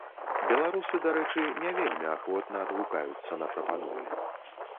Беларусы, дарэчы, не вельмі ахвотна адгукаюцца на прапанову.